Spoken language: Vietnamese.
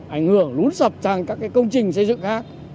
ảnh hưởng lún sập sang các công trình xây dựng khác